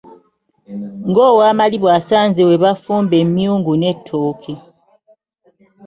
Ng'owamalibu asanze we bafumba emyungu n'ettooke.